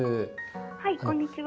はい、こんにちは。